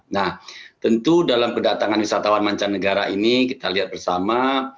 nah tentu dalam kedatangan wisatawan mancanegara ini kita lihat bersama